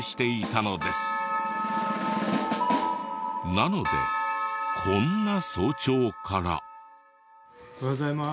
なのでこんな早朝から。おはようございます。